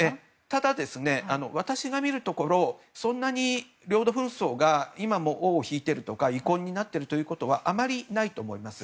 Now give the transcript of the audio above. ただ、私が見るところそんなに領土紛争が今も尾を引いているとか遺恨になっているということはあまりないと思います。